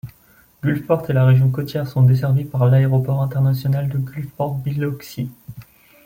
Gulfport et la région côtière sont desservis par l'aéroport international de Gulfport-Biloxi.